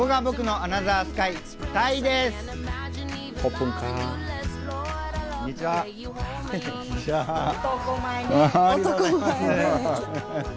ありがとうございます。